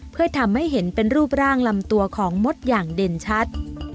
เพื่อทำให้เห็นเป็นรูปร่างลำตัวของมดอย่างเด่นชัด